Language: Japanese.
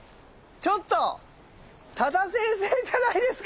ちょっと多田先生じゃないですか。